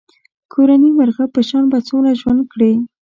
کورني مرغه په شان به څومره ژوند کړې.